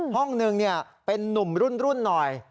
ห้องหนึ่งเป็นนุ่มรุ่นหน่อย